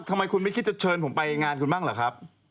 ทำไมคุณไม่คิดจะเชิญผมไปงานคุณบ้างเหรอครับ